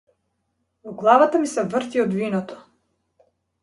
Во главата ми се врти од виното.